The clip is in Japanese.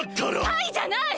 カイじゃない！